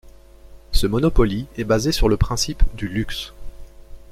Ce Monopoly est basé sur le principe du luxe.